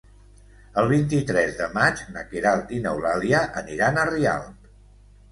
El vint-i-tres de maig na Queralt i n'Eulàlia aniran a Rialp.